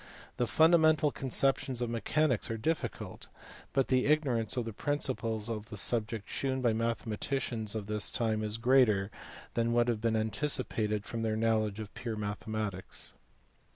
The fundamental conceptions of mechanics are difficult, but the ignorance of the principles of the subject shewn by the mathe maticians of this time is greater than would have been antici pated from their knowledge of pure mathematics.